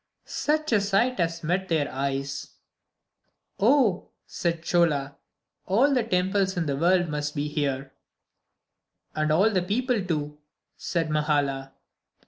Such a sight as met their eyes! "Oh!" said Chola, "all the temples in the world must be here." "And all the people, too," said Mahala.